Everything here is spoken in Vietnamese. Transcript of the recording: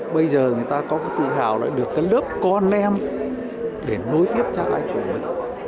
bây giờ người ta có cái tự hào lại được cái lớp con em để nối tiếp cho ai cũng được